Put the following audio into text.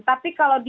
tapi kalau di